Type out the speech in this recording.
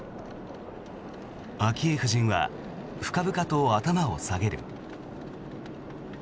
昭恵夫人は深々と頭を下げる。